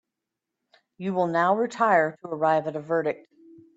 You will now retire to arrive at a verdict.